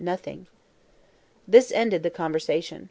"Nothing." This ended the conversation.